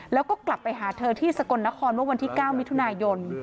แล้วก็กลับไปหาเธอที่สกลนครเมื่อวันที่๙มิถุนายน